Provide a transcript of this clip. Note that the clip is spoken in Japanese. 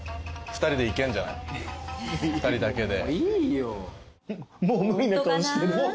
２人だけで。